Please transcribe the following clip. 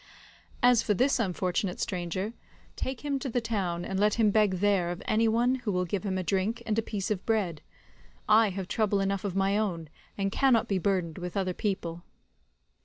As for this unfortunate stranger, take him to the town and let him beg there of any one who will give him a drink and a piece of bread. I have trouble enough of my own, and cannot be burdened with other people.